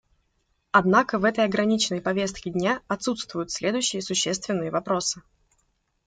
Однако в этой ограниченной повестке дня отсутствуют следующие существенные вопросы.